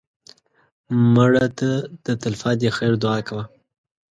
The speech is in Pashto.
مړه ته د تل پاتې خیر دعا کوه